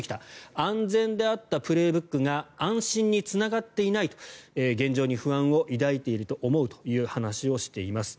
安全であった「プレーブック」が安心につながっていない現状に不安を抱いていると思うという話をしています。